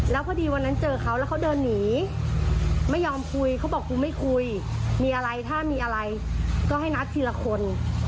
แล้วพอดีวันนั้นเจอเขาแล้วเขาเดินหนีไม่ยอมคุยเขาบอกกูไม่คุยมีอะไรถ้ามีอะไรก็ให้นัดทีละคน